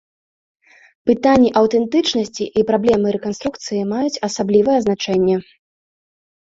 Пытанні аўтэнтычнасці і праблемы рэканструкцыі маюць асаблівае значэнне.